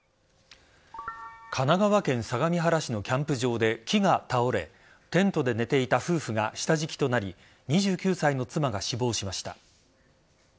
神奈川県相模原市のキャンプ場で木が倒れテントで寝ていた夫婦が下敷きとなり２９歳の妻が死亡しました。